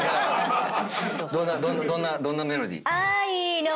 どんなどんなメロディー？